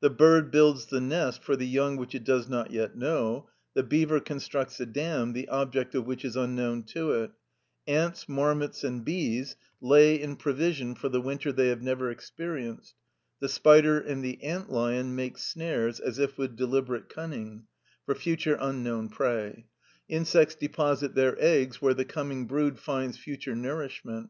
The bird builds the nest for the young which it does not yet know; the beaver constructs a dam the object of which is unknown to it; ants, marmots, and bees lay in provision for the winter they have never experienced; the spider and the ant lion make snares, as if with deliberate cunning, for future unknown prey; insects deposit their eggs where the coming brood finds future nourishment.